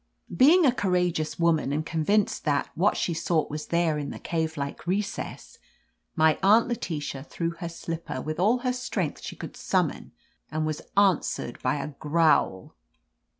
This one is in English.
"Being a courageous woman and convinced that what she sought was there in the cave like recess, my Aunt Letitia threw her slipper with all the strength she could summon, and was answered by a growl.